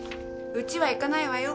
うちは行かないわよ。